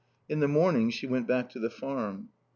In the morning she went back to the Farm.